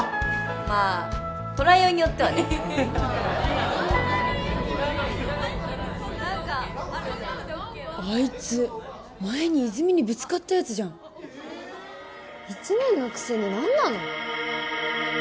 まあ捉えようによってはねあいつ前に泉にぶつかったヤツじゃん１年のくせに何なの？